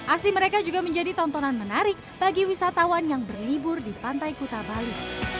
aksi mereka juga menjadi tontonan menarik bagi wisatawan yang berlibur di pantai kuta bali